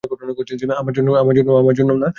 আমার জন্যও না।